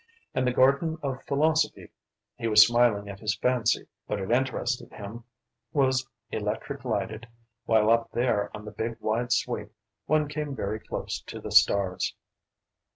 And the garden of philosophy he was smiling at his fancy, but it interested him was electric lighted, while up there on the big wide sweep, one came very close to the stars.